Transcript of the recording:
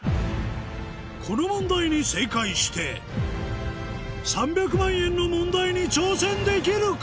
この問題に正解して３００万円の問題に挑戦できるか？